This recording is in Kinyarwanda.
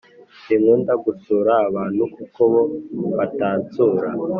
Sinkunda gusura abantu kuko bo batansura